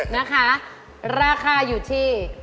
นะคะราคาอยู่ที่